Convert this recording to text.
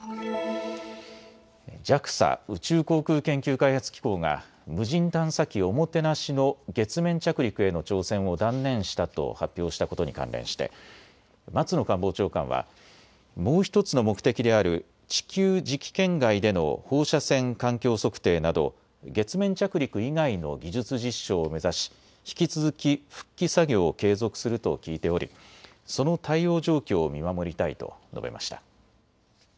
ＪＡＸＡ・宇宙航空研究開発機構が無人探査機ＯＭＯＴＥＮＡＳＨＩの月面着陸への挑戦を断念したと発表したことに関連して、松野官房長官はもう１つの目的である地球磁気圏外での放射線環境測定など月面着陸以外の技術実証を目指し、引き続き復帰作業を継続すると聞いており、その対応状況を見守りたいと述べました。